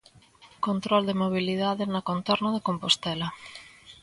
Control de mobilidade na contorna de Compostela.